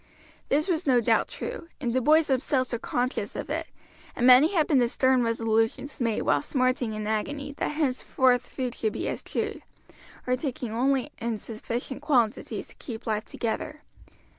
This was no doubt true, and the boys themselves were conscious of it, and many had been the stern resolutions made while smarting in agony that henceforward food should be eschewed, or taken only in sufficient quantities to keep life together.